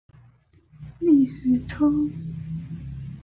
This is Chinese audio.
历史轴。